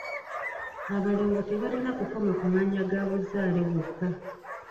Abalongo tebalina kukoma ku mannya ga buzaale bwokka.